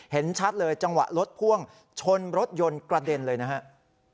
เห็นชัดเลยจังหวะรถพ่วงชนรถยนต์กระเด็นเลยนะครับ